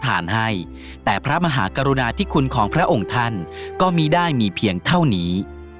ให้แต่พระมหากรุณาธิคุณของพระองค์ท่านก็มีได้มีเพียงเท่านี้